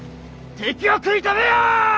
敵を食い止めよ！